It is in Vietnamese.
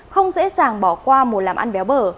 không dễ dàng bỏ qua một làm ăn béo bờ